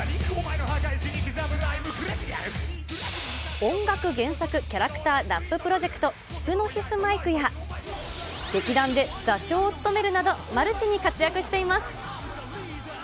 音楽原作キャラクターラッププロジェクト、ヒプノシスマイクや、劇団で座長を務めるなど、マルチに活躍しています。